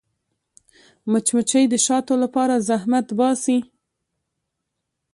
مچمچۍ د شاتو لپاره زحمت باسي